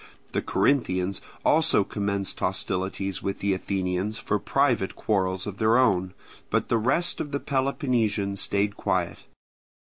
The Corinthians also commenced hostilities with the Athenians for private quarrels of their own; but the rest of the Peloponnesians stayed quiet.